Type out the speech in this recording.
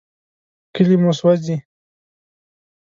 کلي مو سوځي.